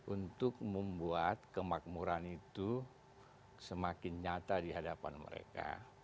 untuk membuat kemakmuran itu semakin nyata di hadapan mereka